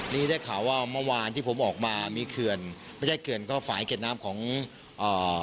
นี่ได้ข่าวว่าเมื่อวานที่ผมออกมามีเขื่อนไม่ใช่เขื่อนก็ฝ่ายเก็ดน้ำของอ่า